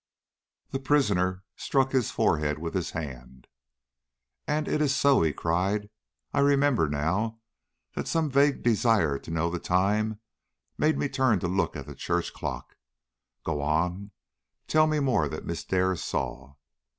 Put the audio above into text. The prisoner struck his forehead with his hand. "And it is so," he cried. "I remember now that some vague desire to know the time made me turn to look at the church clock. Go on. Tell me more that Miss Dare saw."